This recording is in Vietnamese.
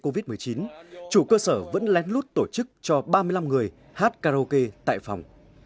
covid một mươi chín chủ cơ sở vẫn lén lút tổ chức cho ba mươi năm người hát karaoke tại phòng